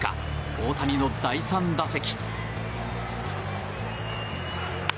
大谷の第３打席。